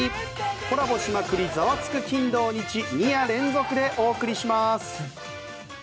コラボしまくり、ざわつく金土日２夜連続でお送りします！